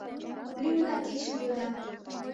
Лӱмынак кечым йодам...